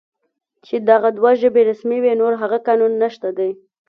چې دغه دوه ژبې رسمي وې، نور هغه قانون نشته دی